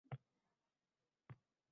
Bu sizning falsafangizmi yoki?